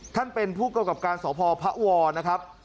ท่านเป็นผู้เกราะกับการสอบภอพระอวรนะครับ